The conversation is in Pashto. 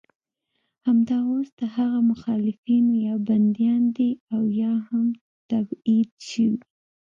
همدا اوس د هغه مخالفین یا بندیان دي او یا هم تبعید شوي.